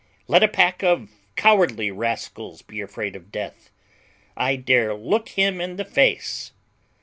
Let a pack of cowardly rascals be afraid of death, I dare look him in the face.